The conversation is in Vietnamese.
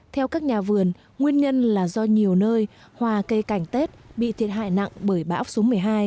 theo các nhà vườn nguyên nhân là do nhiều nơi hoa cây cảnh tết bị thiệt hại nặng bởi bão số một mươi hai